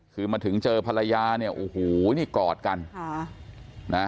คือมาถึงเจอภรรยาเนี่ยโอ้โหนี่กอดกันค่ะนะฮะ